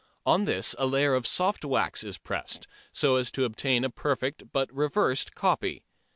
On this a layer of soft wax is pressed, so as to obtain a perfect but reversed copy.